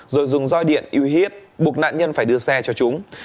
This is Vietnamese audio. rồi dùng roi điện yêu hiếp buộc nạn nhân phải đưa xe cho chúng